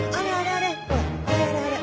あれあれあれ！